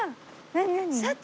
何？